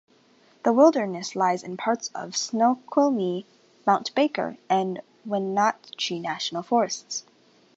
The wilderness lies in parts of Snoqualmie, Mount Baker, and Wenatchee national forests.